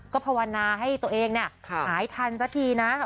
ก็พาวนาให้ตัวเองหายทันซะทีนะ